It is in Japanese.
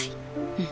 うん。